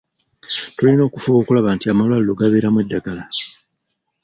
Tulina okufuba okulaba nti amalwaliro gabeeramu eddagala.